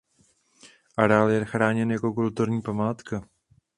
Areál je chráněn jako kulturní památka.